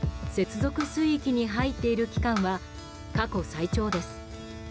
接続水域に入っている期間は過去最長です。